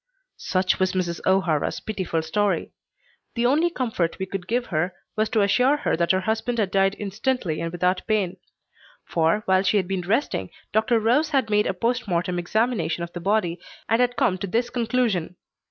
Such was Mrs. O'Hara's pitiful story. The only comfort we could give her was to assure her that her husband had died instantly and without pain; for while she had been resting Dr. Rose had made a post mortem examination of the body and had come to this conclusion.